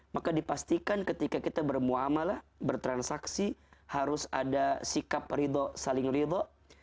maka dipastikan ketika kita bermu'amalah bertransaksi harus ada sikap ridham saling ridho